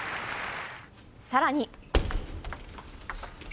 さらに。